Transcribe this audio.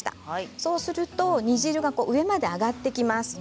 そうすると煮汁が上まで上がってきます。